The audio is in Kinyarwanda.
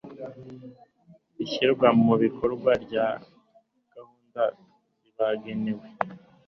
ishyirwa mu bikorwa rya gahunda zibagenewe